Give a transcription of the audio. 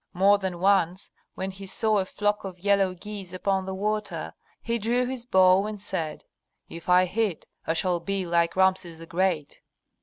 More than once, when he saw a flock of yellow geese upon the water, he drew his bow and said, "If I hit I shall be like Rameses the Great."